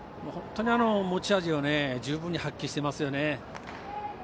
本当に持ち味を十分に発揮してますよね。